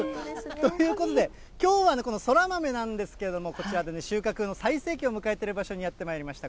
ということで、きょうはこのそら豆なんですけど、こちらでね、収穫の最盛期を迎えてる場所にやってまいりました。